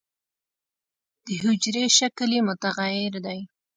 د حجرې شکل یې متغیر دی.